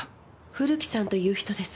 古木さんという人です。